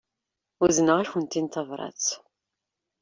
Uzneɣ-akent-in tabrat.